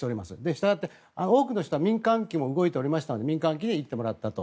したがって、多くの人は民間機も動いておりましたので民間機で行ってもらったと。